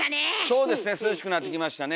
そうですね涼しくなってきましたね。